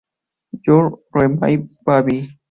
You're My Baby